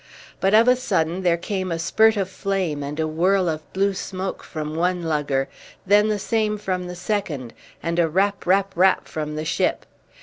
But of a sudden there came a spurt of flame and a whirl of blue smoke from one lugger, then the same from the second, and a rap, rap, rap, from the ship.